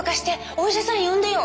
お医者さん呼んでよ！」